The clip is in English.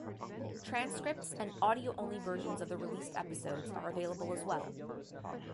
Transcripts and audio-only versions of the released episodes are available as well.